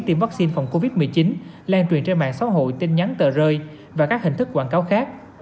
tiêm vaccine phòng covid một mươi chín lan truyền trên mạng xã hội tin nhắn tờ rơi và các hình thức quảng cáo khác